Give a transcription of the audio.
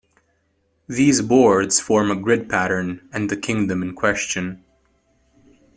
These boards form a grid pattern, and the kingdom in question.